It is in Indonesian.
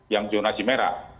yang zonasi merah